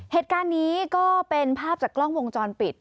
เหตุการณ์นี้ก็เป็นภาพจากกล้องวงจรปิด